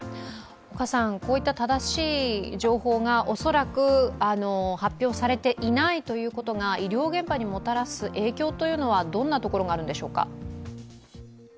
こういった正しい情報が恐らく発表されていないということが医療現場にもたらす影響というのは、どんなところがあるんでしょうか？